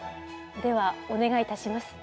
ではお願いいたします。